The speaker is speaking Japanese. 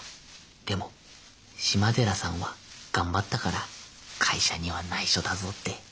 でも島寺さんは頑張ったから会社にはないしょだぞって。